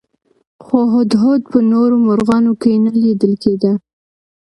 خو هدهد په نورو مرغانو کې نه لیدل کېده.